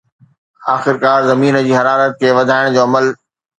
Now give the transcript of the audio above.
آخرڪار، زمين جي حرارت کي وڌائڻ جو عمل